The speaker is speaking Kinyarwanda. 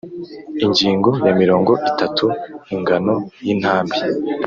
Ingingo ya mirongo itatu Ingano y intambi